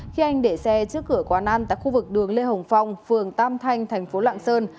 khi anh để xe trước cửa quán ăn tại khu vực đường lê hồng phong phường tam thanh thành phố lạng sơn